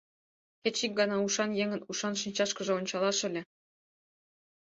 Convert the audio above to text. Кеч ик гана ушан еҥын ушан шинчашкыже ончалаш ыле.